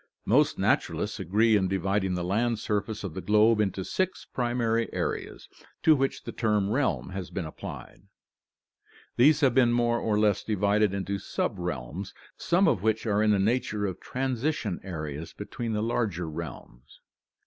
Most naturalists agree in dividing the land surface of the globe into six primary areas, to which the term realm has been applied. These have been more or less divided into subrealms, some of which are in the nature of transition areas between the larger realms.